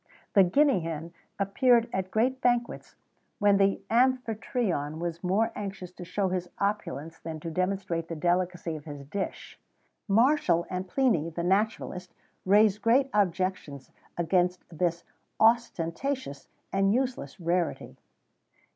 [XVII 98] The Guinea hen appeared at great banquets, when the Amphytrion was more anxious to show his opulence than to demonstrate the delicacy of his dishes. Martial,[XVII 99] and Pliny,[XVII 100] the naturalist, raised great objections against this ostentatious and useless rarity.